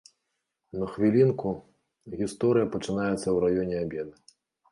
На хвілінку, гісторыя пачынаецца ў раёне абеду.